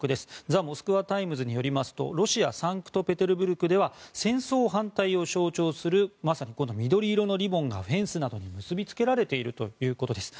ザ・モスクワタイムズによりますとロシア・サンクトペテルブルクでは戦争反対を象徴するまさにこの緑色のリボンがフェンスなどに結びつけられているということです。